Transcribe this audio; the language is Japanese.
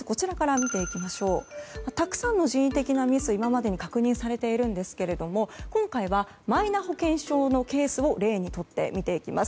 まず、たくさんの人為的ミスは今までに確認されているんですが今回はマイナ保険証のケースを例にとって見ていきます。